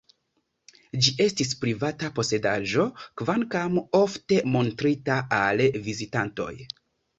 Ĝi estis privata posedaĵo, kvankam ofte montrita al vizitantoj.